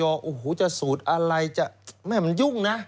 ออยจะสูตรอะไรมันยุ่งนะ